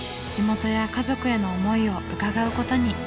地元や家族への思いを伺うことに。